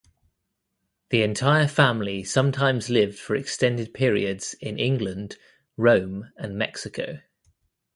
The entire family sometimes lived for extended periods in England, Rome and Mexico.